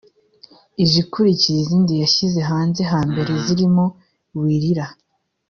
Ije ikurikira izindi yashyize hanze hambere zirimo ‘Wirira’